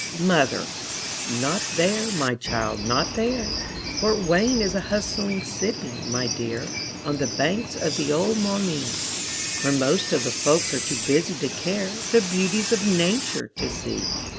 Mother: Not there, my child, not there. Fort Wayne is a hustling city, my dear, On the banks of the old Maumee, Where most of the folks are too busy to care The beauties of nature to see.